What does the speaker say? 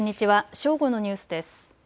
正午のニュースです。